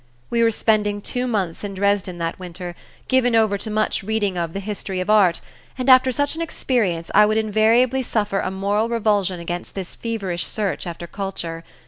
We were spending two months in Dresden that winter, given over to much reading of "The History of Art" and after such an experience I would invariably suffer a moral revulsion against this feverish search after culture.